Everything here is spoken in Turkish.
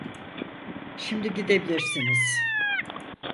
Şimdi gidebilirsiniz.